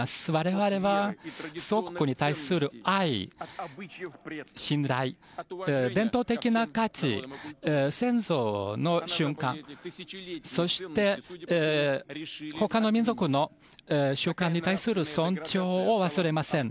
我々は祖国に対する愛、信頼、伝統的な価値戦争の習慣そして、他の民族の習慣に対する尊重を忘れません。